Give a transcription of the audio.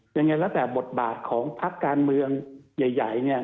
ยังไงแล้วแต่บทบาทของพักการเมืองใหญ่เนี่ย